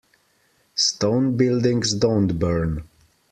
Stone buildings don't burn.